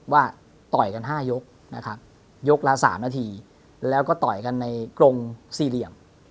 ว่าต่อยกัน๕ยกนะครับยกละ๓นาทีแล้วก็ต่อยกันในกรงสี่เหลี่ยม